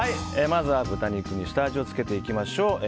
まずは豚肉に下味をつけていきましょう。